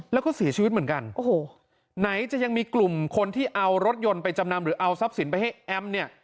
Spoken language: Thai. แล้วก็เสียชีวิตเหมือนกันโอ้โหไหนจะยังมีกลุ่มคนที่เอารถยนต์ไปจำนำหรือเอาทรัพย์สินไปให้แอมเนี่ย